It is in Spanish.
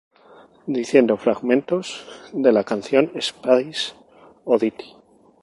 Diciendo fragmentos de la canción Space Oddity.